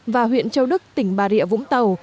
và huyện châu đức tỉnh bà rịa vũng tàu